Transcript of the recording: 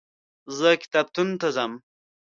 زه کتابتون ته ځم.